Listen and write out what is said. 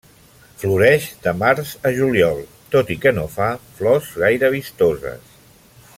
Floreix de març a juliol, tot i que no fa flors gaire vistoses.